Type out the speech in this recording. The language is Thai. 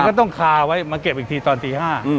ก็ต้องคาไว้มาเก็บอีกทีตอนตี๕